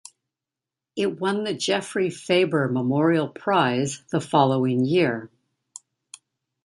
It won the Geoffrey Faber Memorial Prize the following year.